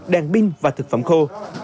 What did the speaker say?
đèn pin và thực phẩm khô